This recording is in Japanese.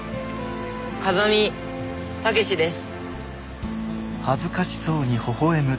風見武志です。